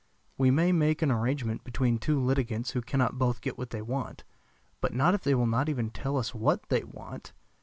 We may make an arrangement between two litigants who cannot both get what they want; but not if they will not even tell us what they want.